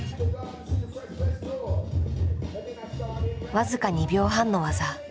僅か２秒半の技。